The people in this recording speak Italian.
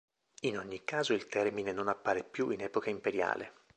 In ogni caso il termine non appare più in epoca imperiale.